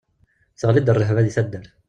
Teɣli-d rrehba di taddart.